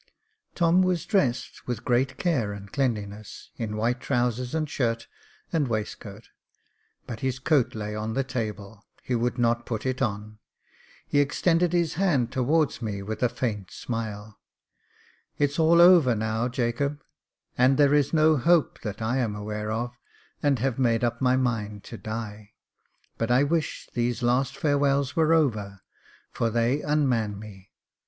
Tom was dressed with great care and cleanliness — in white trousers and shirt and waistcoat, but his coat lay on the table ; he would not put it on. He extended his hand towards me with a faint smile. " It's all over now, Jacob ; and there is no hope, that I am aware of, and have made up my mind to die ; but I wish these last farewells were over, for they unman me.